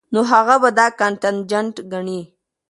نو هغه به دا کانټنجنټ ګڼي